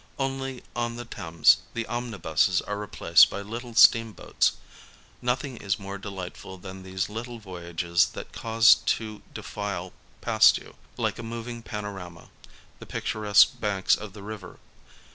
Only, on the Thames, the omnibuses are replaced by little steam boats. Nothing is more delightful than these little voyages that cause to defile past you, like a moving panorama, the pic turesque banks of the river.